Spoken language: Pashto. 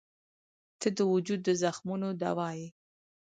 • ته د وجود د زخمونو دوا یې.